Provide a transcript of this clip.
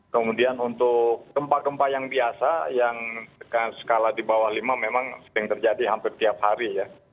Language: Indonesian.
kemudian untuk gempa gempa yang biasa yang skala di bawah lima memang sering terjadi hampir tiap hari ya